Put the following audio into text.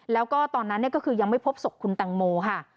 แล้วก็ตอนนั้นก็คือยังไม่พบศพคุณตังโมค่ะ